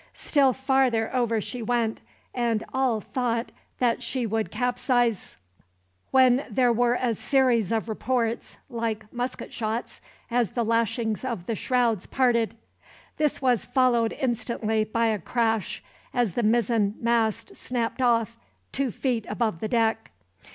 Still farther over she went, and all thought that she would capsize; when there were a series of reports, like musket shots, as the lashings of the shrouds parted. This was followed instantly by a crash, as the mizzen mast snapped off, two feet above the deck.